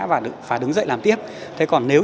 và phá đứng dậy làm tiếp thế còn nếu